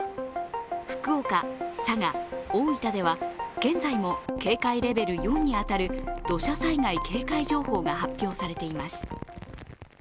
福岡、佐賀、大分では現在も警戒レベル４に当たる土砂災害警戒情報が発表されています。